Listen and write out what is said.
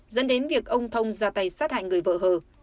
dẫn đến việc ông thông ra tay sát hại người vợ hờ